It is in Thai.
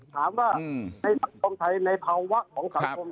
ถามว่าในสังคมไทยในภาวะของสังคม